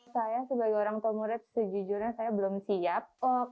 saya sebagai orang tua murid sejujurnya saya belum siap